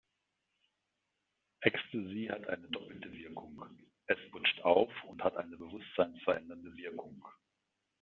Ecstasy hat eine doppelte Wirkung: Es putscht auf und hat eine bewusstseinsverändernde Wirkung.